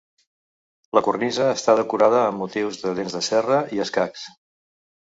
La cornisa està decorada amb motius de dents de serra i escacs.